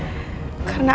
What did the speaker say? menyakitkan ratu kenterimani